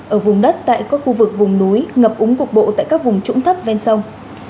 ở vùng đất tại các khu vực vùng núi ngập úng cục bộ tại các vùng trũng thấp ven sông